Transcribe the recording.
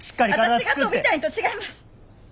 私が飛びたいんと違います。